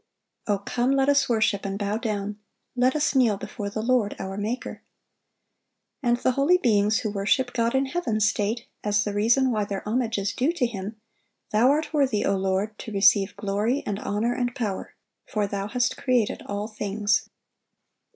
"O come, let us worship and bow down: let us kneel before the Lord our Maker."(728) And the holy beings who worship God in heaven state, as the reason why their homage is due to Him, "Thou art worthy, O Lord, to receive glory and honor and power: for Thou hast created all things."